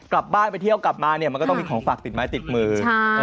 กลับบ้านไปเที่ยวกลับมาเนี่ยมันก็ต้องมีของฝากติดไม้ติดมือ